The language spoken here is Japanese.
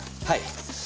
はい。